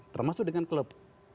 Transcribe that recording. termasuk dengan klub